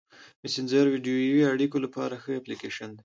مسېنجر د ویډیويي اړیکو لپاره ښه اپلیکیشن دی.